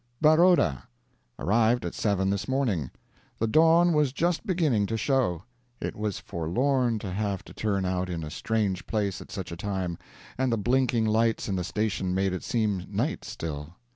] Barroda. Arrived at 7 this morning. The dawn was just beginning to show. It was forlorn to have to turn out in a strange place at such a time, and the blinking lights in the station made it seem night still.